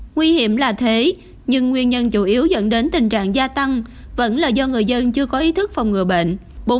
nguy hiểm là thế nhưng nguyên nhân chủ yếu dẫn đến tình trạng gia tăng vẫn là do người dân chưa có ý thức phòng ngừa bệnh